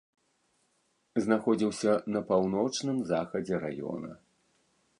Знаходзіўся на паўночным захадзе раёна.